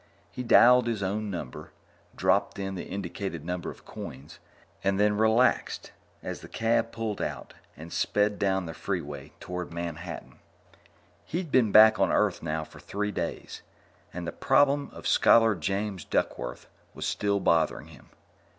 He dialed his own number, dropped in the indicated number of coins, and then relaxed as the cab pulled out and sped down the freeway towards Manhattan. He'd been back on Earth now for three days, and the problem of Scholar James Duckworth was still bothering him.